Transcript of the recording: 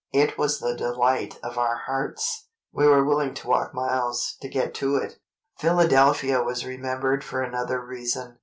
It was the delight of our hearts. We were willing to walk miles, to get to it." Philadelphia was remembered for another reason.